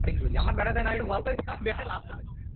তোমার কথা আমার এতদিন খুব মনে পড়েছে, খোকা।